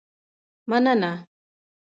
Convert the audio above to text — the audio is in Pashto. مننه